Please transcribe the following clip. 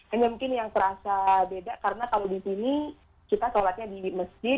hanya mungkin yang terasa beda karena kalau di sini kita sholatnya di masjid